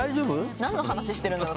何の話してるんだろう？